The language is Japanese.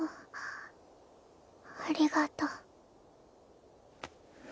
ありがとう。